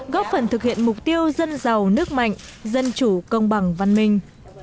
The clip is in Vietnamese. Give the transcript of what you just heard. góp phần thực hiện mục tiêu dân giàu nước mạnh dân chủ công bằng văn minh